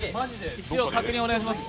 枚数、一応確認をお願いします。